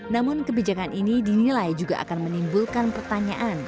namun kebijakan ini dinilai juga akan menimbulkan pertanyaan